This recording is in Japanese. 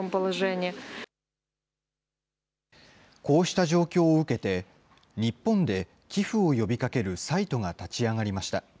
こうした状況を受けて、日本で寄付を呼びかけるサイトが立ち上がりました。